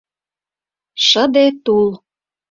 ШЫДЕ ТУЛ